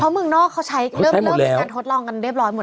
เพราะมึงเนาะเขาใช้เริ่มจากความทดลองกันเรียบร้อยหมดแล้ว